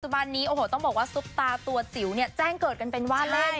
บันนี้โอ้โหต้องบอกว่าซุปตาตัวจิ๋วเนี่ยแจ้งเกิดกันเป็นว่าเล่น